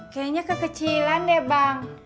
kayanya kekecilan deh bang